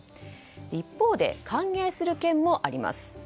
一方で歓迎する県もあります。